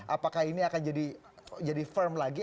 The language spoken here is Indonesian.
apakah ini akan jadi firm lagi